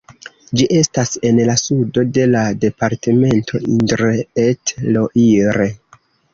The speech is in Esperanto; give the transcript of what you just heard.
Ĝi estas en la sudo de la departemento Indre-et-Loire.